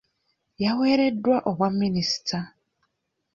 Yaweereddwa obwa minisita.